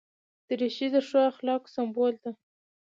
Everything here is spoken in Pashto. دریشي د ښو اخلاقو سمبول ده.